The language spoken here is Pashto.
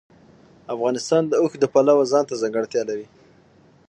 افغانستان د اوښ د پلوه ځانته ځانګړتیا لري.